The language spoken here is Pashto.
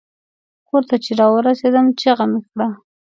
کور ته چې را ورسیدم چیغه مې کړه.